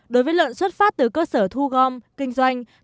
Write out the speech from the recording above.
đối với lợn xuất phát từ cơ sở thu gom kinh doanh